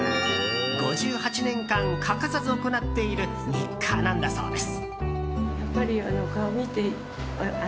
５８年間、欠かさず行っている日課なんだそうです。